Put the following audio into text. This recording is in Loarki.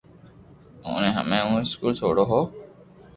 اوني ھمي ھون اسڪول سوڙو ھون